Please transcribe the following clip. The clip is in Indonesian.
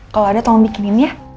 kalau ada tolong bikinin ya